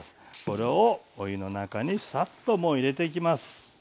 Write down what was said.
これをお湯の中にサッともう入れていきます。